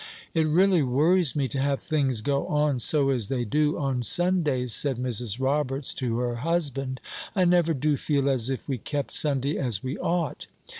"It really worries me to have things go on so as they do on Sundays," said Mrs. Roberts to her husband. "I never do feel as if we kept Sunday as we ought."